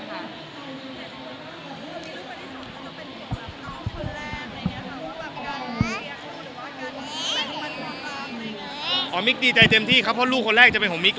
เพราะว่ายังไงเป็นความมีปัญหาต่อมาแล้วเหมือนกันนะคะ